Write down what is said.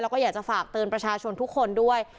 แล้วก็อยากจะฝากเตือนประชาชนทุกคนด้วย